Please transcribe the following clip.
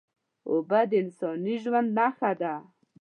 اوبه د انساني ژوند نښه ده